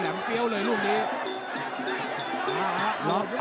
ตอนนี้มันถึง๓